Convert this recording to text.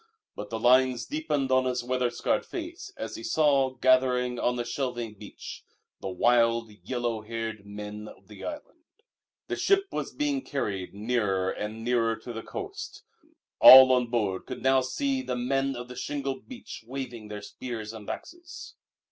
But the lines deepened on his weather scarred face as he saw, gathering on the shelving beach, the wild, yellow haired men of the island. The ship was being carried nearer and nearer to the coast. All on board could now see the Men of the Shingle Beach waving their spears and axes.